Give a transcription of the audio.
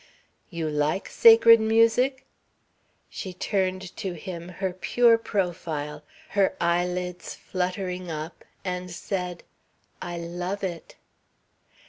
"You like sacred music?" She turned to him her pure profile, her eyelids fluttering up, and said: "I love it."